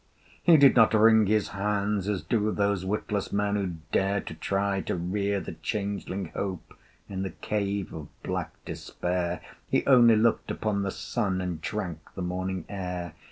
He did not wring his hands, as do Those witless men who dare To try to rear the changeling Hope In the cave of black Despair: He only looked upon the sun, And drank the morning air.